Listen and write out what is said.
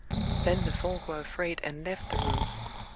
Then the folk were afraid, and left the room.